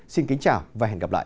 xin kính chào và hẹn gặp lại